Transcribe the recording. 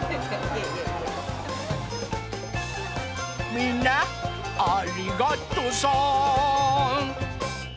みんなありがとさん！